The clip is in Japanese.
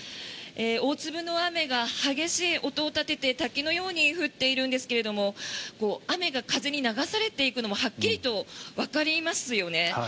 大粒の雨が激しい音を立てて滝のように降っているんですが雨が風に流されていくのもはっきりとわかりますよね。